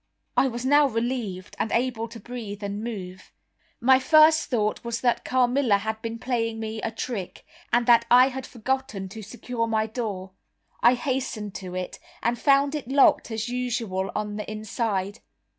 I was now relieved, and able to breathe and move. My first thought was that Carmilla had been playing me a trick, and that I had forgotten to secure my door. I hastened to it, and found it locked as usual on the inside.